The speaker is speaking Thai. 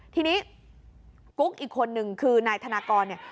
ทีนี้กุ๊กอีกคนนึงคือนายธนากรเนี่ย